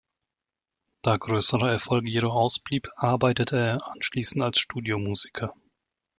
Da größerer Erfolg jedoch ausblieb, arbeitete er anschließend als Studiomusiker.